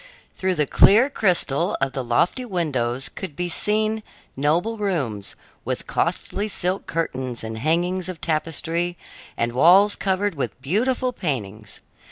Through the clear crystal of the lofty windows could be seen noble rooms, with costly silk curtains and hangings of tapestry and walls covered with beautiful paintings.